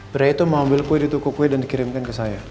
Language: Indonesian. pria itu mengambil kue di tuku kue dan dikirimkan ke saya